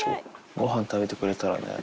ごはん食べてくれたら。